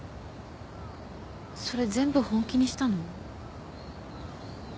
それ全部本気にしたの？